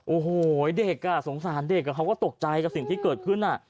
โอ้โหเด็กสงสารเด็กเขาก็ตกใจกับสิ่งที่เกิดขึ้น